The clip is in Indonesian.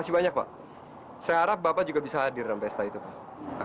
saya harap bapak juga bisa hadir dalam pesta itu pak